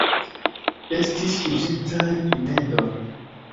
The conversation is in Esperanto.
Estis uzitaj rimedoj.